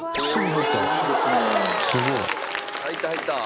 入った入った。